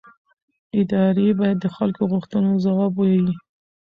ادارې باید د خلکو غوښتنو ځواب ووایي